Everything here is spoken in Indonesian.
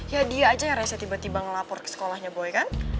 ya dia aja yang rasa tiba tiba ngelapor ke sekolahnya boy kan